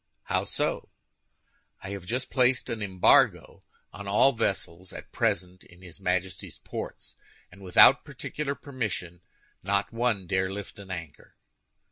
"How so?" "I have just placed an embargo on all vessels at present in his Majesty's ports, and without particular permission, not one dare lift an anchor."